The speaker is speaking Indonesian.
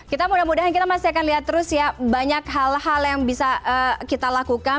kita mudah mudahan kita masih akan lihat terus ya banyak hal hal yang bisa kita lakukan